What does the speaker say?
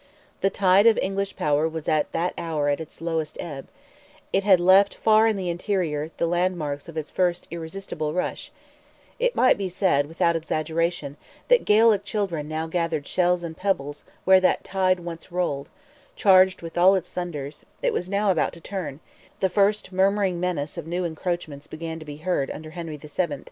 The tide of English power was at that hour at its lowest ebb; it had left far in the interior the landmarks of its first irresistible rush; it might be said, without exaggeration, that Gaelic children now gathered shells and pebbles where that tide once rolled, charged with all its thunders; it was now about to turn; the first murmuring menace of new encroachments began to be heard under Henry VII.